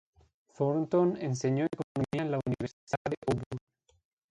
Thornton enseñó economía en la Universidad de Auburn.